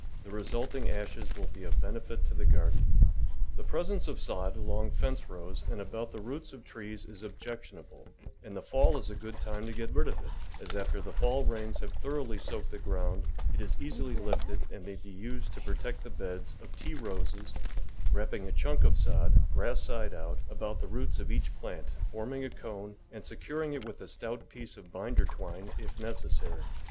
The resulting ashes will be of benefit to the garden. The presence of sod along fence rows and about THE VEGETABLE GARDEN the roots of trees is objectionable, and the fall is a good time to get rid of it, as after the fall rains have thoroughly soaked the ground, it is easily lifted and may be used to protect the beds of tea roses, wrapping a chunk of sod — grass side out — about the roots of each plant, forming a cone, and securing it with a stout piece of binder twine if necessary.